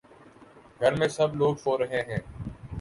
گھر میں سب لوگ سو رہے ہیں